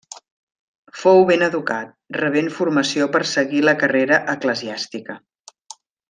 Fou ben educat, rebent formació per seguir la carrera eclesiàstica.